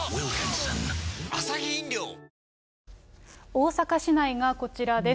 大阪市内がこちらです。